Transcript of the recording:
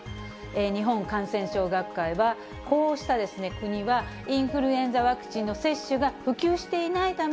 日本感染症学会は、こうした国は、インフルエンザワクチンの接種が普及していないため、